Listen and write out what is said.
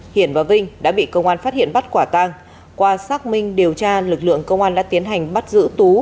hiển và vinh đã bị công an phát hiện bắt quả tang qua xác minh điều tra lực lượng công an đã tiến hành bắt giữ tú